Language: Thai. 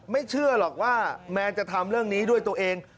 เชื่อหรอกว่าแมนจะทำเรื่องนี้ด้วยตัวเอง